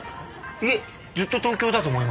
いえずっと東京だと思います。